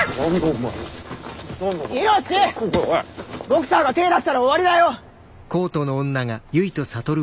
ボクサーが手ぇ出したら終わりだよ！